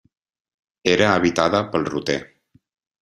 Era habitada pel roter.